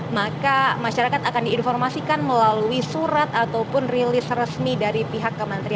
maka masyarakat akan diinformasikan melalui surat ataupun rilis resmi dari pihak kementerian